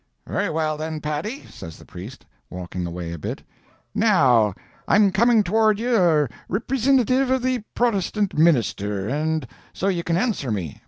"Very well, then, Paddy," says the priest, walking away a bit; "now, I'm coming toward ye a ripresintive of the Protestant minister, and so ye can answer me.